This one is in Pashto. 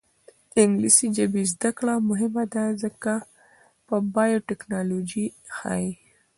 د انګلیسي ژبې زده کړه مهمه ده ځکه چې بایوټیکنالوژي ښيي.